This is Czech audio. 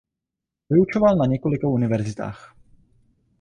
Vyučoval na několika univerzitách.